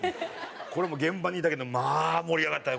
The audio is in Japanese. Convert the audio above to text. これも現場にいたけどまあ盛り上がったね。